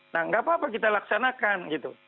nah tidak apa apa kita laksanakan